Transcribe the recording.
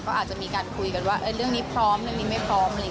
ก็อาจจะมีการคุยกันว่าเรื่องนี้พร้อมเรื่องนี้ไม่พร้อมอะไรอย่างนี้